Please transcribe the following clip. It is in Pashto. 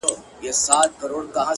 كه دي زما ديدن ياديږي؛